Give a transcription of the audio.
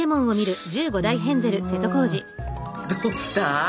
どうした？